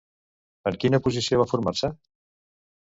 En quina posició va formar-se?